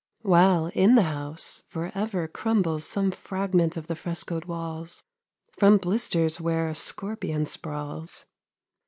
While, in the house, for ever crumbles 30 Some fragment of the frescoed walls, From blisters where a scorpion sprawls.